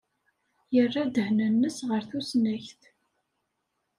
Yerra ddehn-nnes ɣer tusnakt.